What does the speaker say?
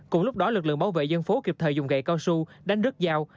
cùng lúc đó lực lượng bảo vệ dân phố kịp thời dùng gậy cao su đánh đứt dao